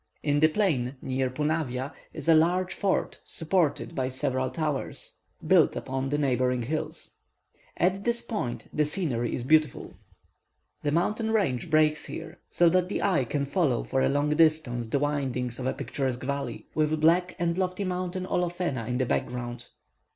In the plain near Punavia is a large fort supported by several towers, built upon the neighbouring hills. At this point the scenery is beautiful. The mountain range breaks here, so that the eye can follow for a long distance the windings of a picturesque valley, with the black and lofty mountain Olofena in the background.